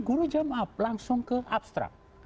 guru jamaah langsung ke abstrak